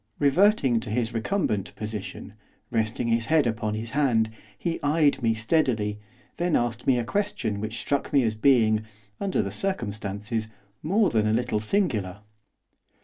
Reverting to his recumbent position, resting his head upon his hand, he eyed me steadily; then asked me a question which struck me as being, under the circumstances, more than a little singular.